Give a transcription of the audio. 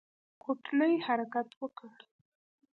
کوټنۍ حرکت وکړ.